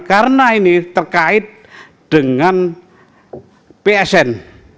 karena ini terkait dengan psn